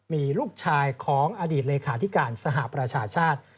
มีลูกชายของอดีตเลขาธิการสหประชาชาติ